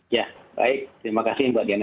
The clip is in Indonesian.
ya baik terima kasih mbak diana